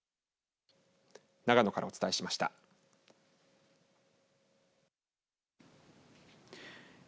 長野からお伝えしました。